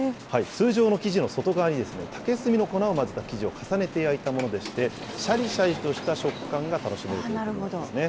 通常の生地の外側に、竹炭の粉を混ぜた生地を重ねて焼いたものでして、しゃりしゃりとした食感が楽しめるということなんですね。